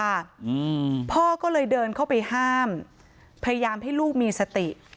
อืมพ่อก็เลยเดินเข้าไปห้ามพยายามให้ลูกมีสติ